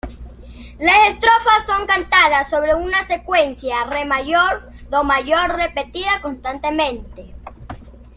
Las estrofas son cantadas sobre una secuencia Re mayor-Do mayor, repetida constantemente.